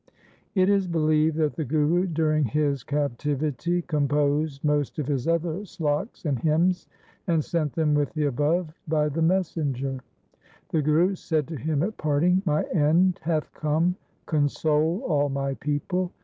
It is believed that the Guru during his captivity composed most of his other sloks and hymns, and sent them with the above by the messenger. The Guru said to him at parting :' My end hath come ; console all my people.